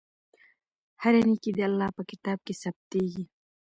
هره نېکۍ د الله په کتاب کې ثبتېږي.